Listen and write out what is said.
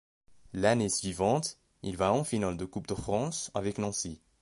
L'année suivante, il va en finale de Coupe de France avec Nancy.